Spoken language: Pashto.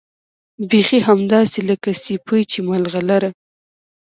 بيخي همداسې لکه سيپۍ چې ملغلره